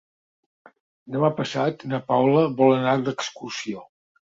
Demà passat na Paula vol anar d'excursió.